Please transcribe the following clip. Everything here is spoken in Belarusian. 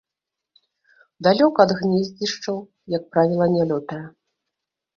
Далёка ад гнездзішчаў, як правіла, не лётае.